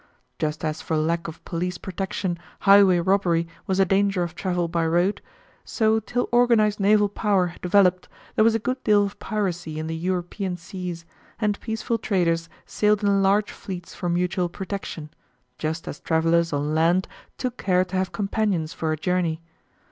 Just as for lack of police protection highway robbery was a danger of travel by road, so till organized naval power developed there was a good deal of piracy in the European seas, and peaceful traders sailed in large fleets for mutual protection, just as travellers on land took care to have companions for a journey.